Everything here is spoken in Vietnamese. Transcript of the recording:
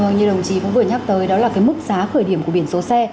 như đồng chí cũng vừa nhắc tới đó là cái mức giá khởi điểm của biển số xe